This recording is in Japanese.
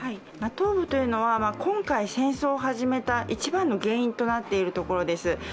東部というのは今回、戦争を始めた一番の原因となっているところです。